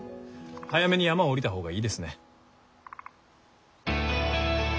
早めに山を下りた方がいいですね。